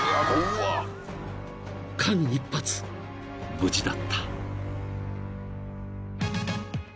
［間一髪無事だった］